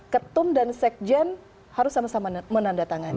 ketum dan sekjen harus sama sama menandatangani